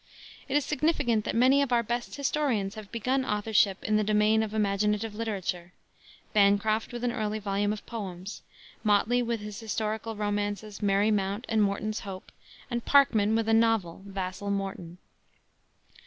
It is significant that many of our best historians have begun authorship in the domain of imaginative literature: Bancroft with an early volume of poems; Motley with his historical romances Merry Mount and Morton's Hope; and Parkman with a novel, Vassall Morton.